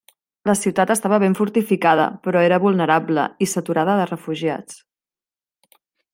La ciutat estava ben fortificada però era vulnerable, i saturada de refugiats.